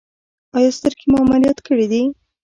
ایا سترګې مو عملیات کړي دي؟